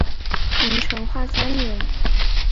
明成化三年。